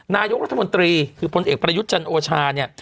นายกรัฐมนตรีคือพลเอกประยุทธ์จันทร์โอชาเนี่ย